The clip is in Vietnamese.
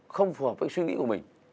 không phù hợp với suy nghĩ của mình